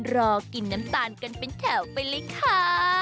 รอกินน้ำตาลกันเป็นแถวไปเลยค่ะ